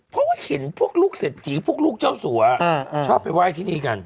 เพราะว่าเห็นพวกลูกเศรษฐีพวกลูกเจ้าสัวชอบไปไหว้ที่นี่กัน